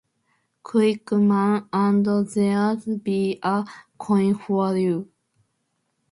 Quick, man, and there'll be a coin for you.